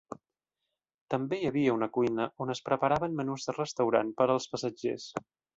També hi havia una cuina on es preparaven menús de restaurant per als passatgers.